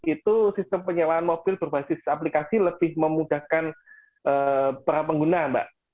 itu sistem penyewaan mobil berbasis aplikasi lebih memudahkan para pengguna mbak